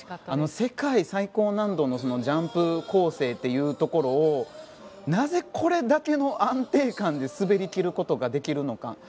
世界最高難度のジャンプ構成というところをなぜこれだけの安定感で滑り切ることができるのか。